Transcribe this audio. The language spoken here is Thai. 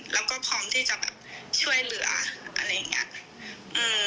แล้วก็พร้อมที่จะแบบช่วยเหลืออะไรอย่างเงี้ยอืม